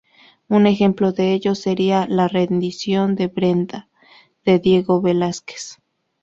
Un ejemplo de ello sería "La rendición de Breda", de Diego Velázquez.